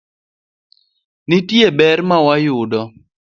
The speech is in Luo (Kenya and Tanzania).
nitie ber ma wayudo.